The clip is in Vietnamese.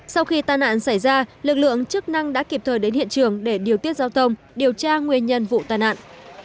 sau khi tàn nạn xảy ra lực lượng chức năng đã kịp thời đến hiện trường để điều tiết giao thông điều tra nguyên nhân vụ tai nạn